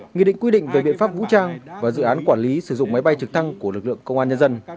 nghị định quy định về biện pháp vũ trang và dự án quản lý sử dụng máy bay trực thăng của lực lượng công an nhân dân